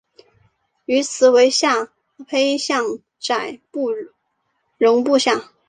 于兹为下邳相笮融部下。